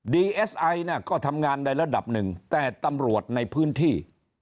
เอสไอเนี่ยก็ทำงานในระดับหนึ่งแต่ตำรวจในพื้นที่